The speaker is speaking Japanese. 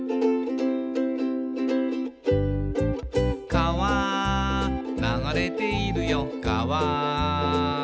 「かわ流れているよかわ」